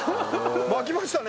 まきましたね！